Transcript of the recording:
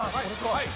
はい！